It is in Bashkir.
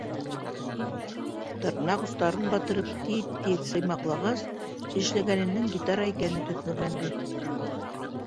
Тырнаҡ остарын батырып тиҙ-тиҙ сыймаҡлағас, эшләгәненең гитара икәне төҫмөрләнде.